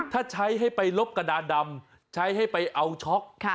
ถ้าใช้ให้ไปลบกระดานดำใช้ให้ไปเอาช็อก